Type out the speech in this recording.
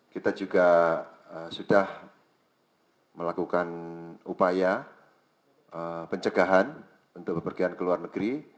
kita juga sudah melakukan upaya pencegahan untuk bepergian ke luar negeri